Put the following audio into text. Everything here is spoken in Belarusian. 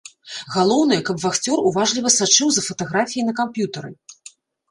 Галоўнае, каб вахцёр уважліва сачыў за фатаграфіяй на камп'ютары.